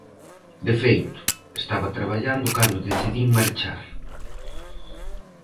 De feito, estaba traballando cando decidín marchar.